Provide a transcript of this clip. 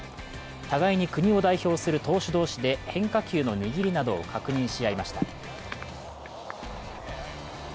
互いに国を代表する投手同士で、変化球の握りなどを確認し合いました。